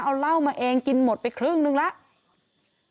เอาเหล้ามาเองกินหมดไปครึ่งนึงแล้ว